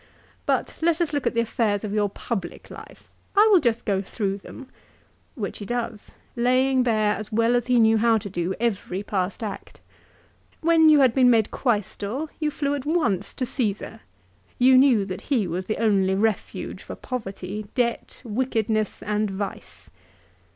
But let us look at the affairs of your public life. I will just go through them ;" which he does, laying bare as he well knew how to do, every past act " When you had been made Quaestor you flew at once to Ceesar. You knew that he was the only refuge for poverty, debt, wickedness, and vice.